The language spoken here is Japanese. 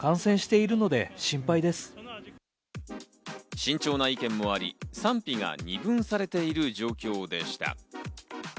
慎重な意見もあり、賛否が二分されている状況でした。